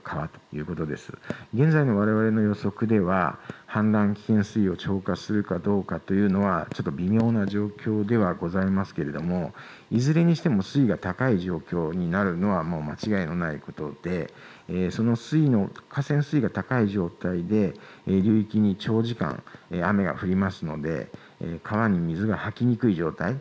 いずれも現在の予測では氾濫危険水位を超過するかどうかはちょっと微妙な状況ではございますがいずれにしても水位が高い状況になるのは間違いのないことなので河川水位が高い状態で流域に長時間、雨が降りますので川に水がはきにくい状態。